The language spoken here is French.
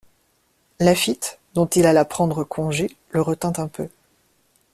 Laffitte, dont il alla prendre congé, le retint un peu.